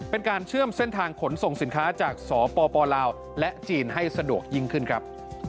เป็นการเชื่อมเส้นทางขนส่งสินค้าจากสปลาวและจีนให้สะดวกยิ่งขึ้นครับ